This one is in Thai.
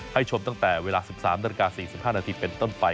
ให้ชมตั้งแต่เวลา๑๓๔๕นเป็นต้นไป